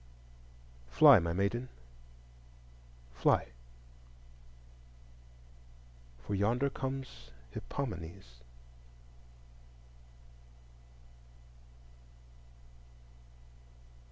Fly, my maiden, fly, for yonder comes Hippomenes!